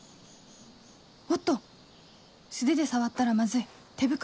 おっと素手で触ったらマズい手袋